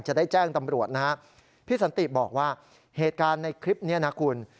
จะได้แจ้งตำรวจนะฮะพี่สันติบอกว่าเหตุการณ์ในคลิปนี้นะคุณ